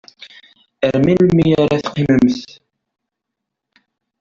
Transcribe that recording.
Ar melmi ara teqqimemt?